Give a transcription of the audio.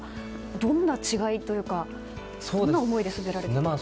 どんな違いというかどんな思いで滑られていたんですか？